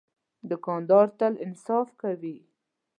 دوکاندار تل انصاف کوي.